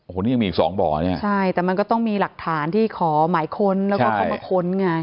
โอ้โหนี่ยังมีอีกสองบ่อเนี่ยใช่แต่มันก็ต้องมีหลักฐานที่ขอหมายค้นแล้วก็เข้ามาค้นไง